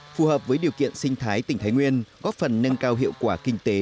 phù hợp với điều kiện sinh thái tỉnh thái nguyên góp phần nâng cao hiệu quả kinh tế